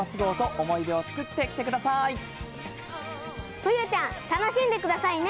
ふゆちゃん、楽しんでくださいね。